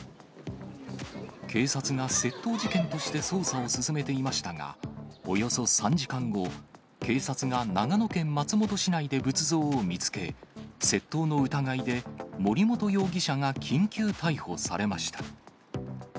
警察が窃盗事件として捜査を進めていましたが、およそ３時間後、警察が長野県松本市内で仏像を見つけ、窃盗の疑いで、森本容疑者が緊急逮捕されました。